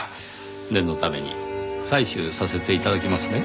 念のために採取させて頂きますね。